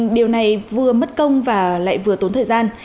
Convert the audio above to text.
điều này vừa mất công và lại vừa tốn thời gian